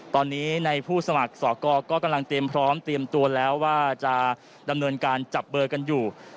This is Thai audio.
ตอนนี้ในผู้สมัครสอกรก็กำลังเตรียมพร้อมเตรียมตัวแล้วว่าจะดำเนินการจับเบอร์กันอยู่